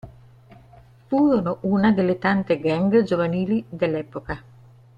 Furono una delle tante gang giovanili dell'epoca.